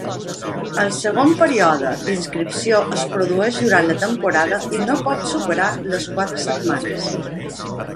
El segon període d'inscripció es produeix durant la temporada i no pot superar les quatre setmanes.